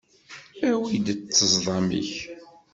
Awi-d ṭṭezḍam-ik.